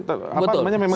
apa namanya memang tidak